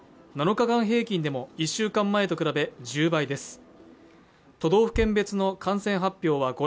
７日間平均でも１週間前と比べ１０倍です。